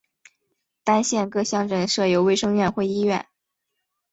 单县各乡镇设有卫生院或医院。